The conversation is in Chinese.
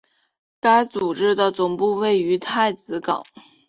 该组织的总部位于太子港。